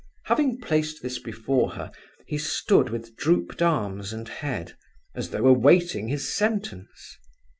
Having placed this before her, he stood with drooped arms and head, as though awaiting his sentence.